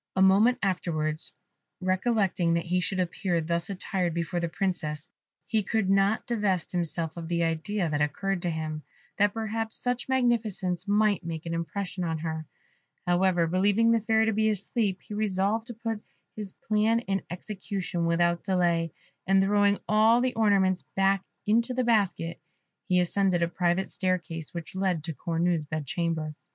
A moment afterwards, recollecting that he should appear thus attired before the Princess, he could not divest himself of the idea that occurred to him, that perhaps such magnificence might make an impression on her. However, believing the Fairy to be asleep, he resolved to put his plan in execution without delay, and throwing all the ornaments back into the basket, he ascended a private staircase which led to Cornue's bed chamber.